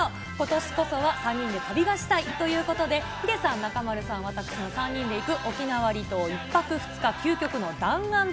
７時５５分ごろ、今年こそは３人で旅がしたいということで、ヒデさん、中丸さん、私の３人で行く沖縄離島１泊２日、究極弾丸旅。